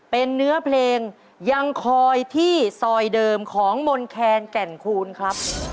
เป็นเนื้อเพลงยังคอยที่ซอยเดิมของมนแคนแก่นคูณครับ